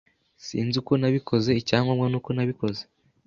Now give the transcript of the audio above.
Sinzi uko nabikoze. Icyangombwa nuko nabikoze.